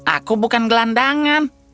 aku bukan gelandangan